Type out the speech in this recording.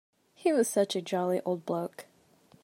He was such a jolly old bloke.